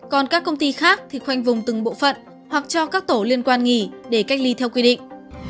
còn các công ty khác thì khoanh vùng từng bộ phận hoặc cho các tổ liên quan nghỉ để cách ly theo quy định